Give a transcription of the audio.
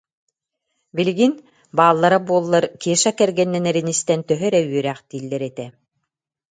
Билигин, бааллара буоллар, Кеша кэргэннэнэрин истэн төһө эрэ үөрээхтииллэр этэ